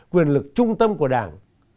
quyền lực trung tâm của đảng